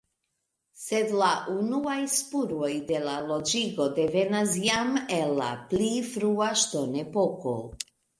Sed la unuaj spuroj de la loĝigo devenas jam el la pli frua ŝtonepoko.